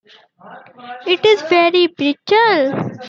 It is very brittle.